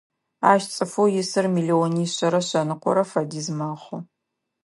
Ащ цӏыфэу исыр миллиони шъэрэ шъэныкъорэ фэдиз мэхъу.